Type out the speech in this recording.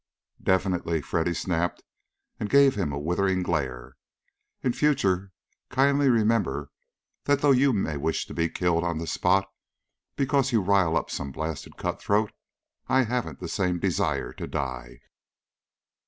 "Definitely!" Freddy snapped, and gave him a withering glare. "In future kindly remember that though you may wish to get killed on the spot, because you rile up some blasted cut throat, I haven't the same desire to die!"